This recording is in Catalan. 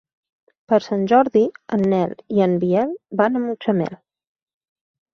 Per Sant Jordi en Nel i en Biel van a Mutxamel.